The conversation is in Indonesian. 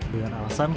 dengan alasan ketua